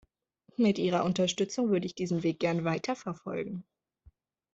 Mit Ihrer Unterstützung würde ich diesen Weg gern weiterverfolgen.